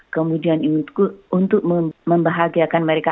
kemudian untuk membahagiakan mereka